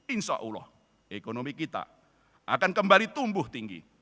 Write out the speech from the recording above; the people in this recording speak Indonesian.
insya allah ekonomi kita akan kembali tumbuh tinggi